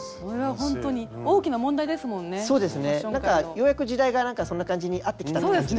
ようやく時代がそんな感じに合ってきたという感じです。